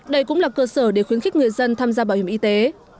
đây cũng là cơ sở để khuyến khích người dân tham gia bảo hiểm y tế